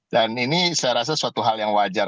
ini saya rasa suatu hal yang wajar